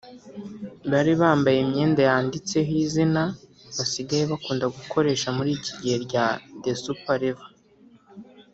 Bari bambaye imyenda yanditseho izina basigaye bakunda gukoresha muri iki gihe rya “The Super Level”